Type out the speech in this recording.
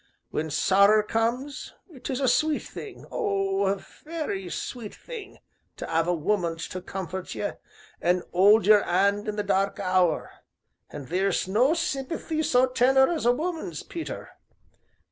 When sorrer comes, 'tis a sweet thing oh! a very sweet thing to 'ave a woman to comfort ye an' 'old your 'and in the dark hour an' theer's no sympathy so tender as a woman's, Peter.